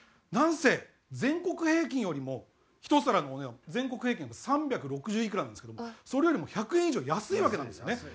なんせ全国平均よりも一皿のお値段全国平均が３６０いくらなんですけどもそれよりも１００円以上安いわけなんですよね。